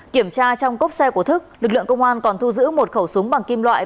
kiểm tra trong cốp xe của thức lực lượng công an còn thu giữ một khẩu súng bằng kim loại